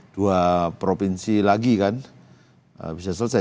dua provinsi lagi kan bisa selesai